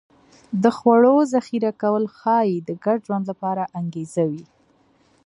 د خوړو ذخیره کول ښایي د ګډ ژوند لپاره انګېزه وي